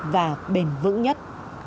và bền vững nhất